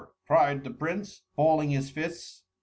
cried the prince, balling his fists.